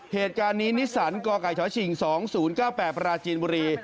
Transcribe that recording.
เหตุการณ์นี้นิสสันกไก่ชชิง๒๐๙๘ปราจีนบุรี